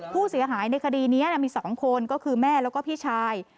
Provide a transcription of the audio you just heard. ผู้เสียหายในคดีนี้มี๒คนก็คือแม่แล้วก็พี่ชาย